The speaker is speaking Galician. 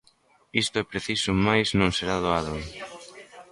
Isto é preciso máis non será doado.